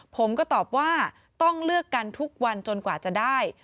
ผมก็ตอบว่าต้องเลือกกันทุกวันจนกว่าจะได้